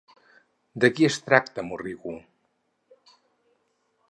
De qui es tracta Morrigu?